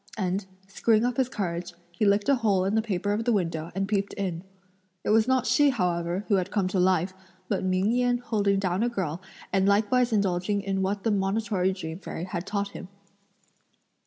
and screwing up his courage, he licked a hole in the paper of the window and peeped in. It was not she, however, who had come to life, but Ming Yen holding down a girl and likewise indulging in what the Monitory Dream Fairy had taught him.